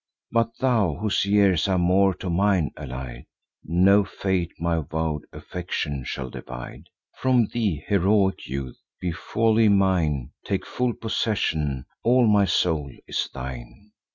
But thou, whose years are more to mine allied, No fate my vow'd affection shall divide From thee, heroic youth! Be wholly mine; Take full possession; all my soul is thine.